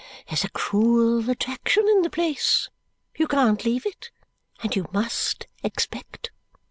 There's a cruel attraction in the place. You CAN'T leave it. And you MUST expect."